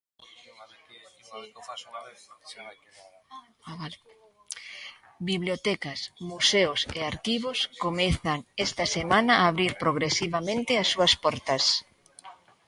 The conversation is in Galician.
Bibliotecas, museos e arquivos comezan esta semana a abrir progresivamente as súas portas.